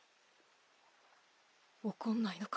怒んないのか？